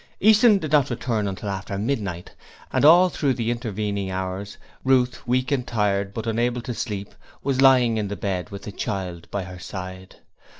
Easton did not return until after midnight, and all through the intervening hours, Ruth, weak and tired, but unable to sleep, was lying in bed with the child by her side.